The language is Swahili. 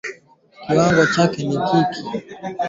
Kiwango cha maambukizi ya ndigana kali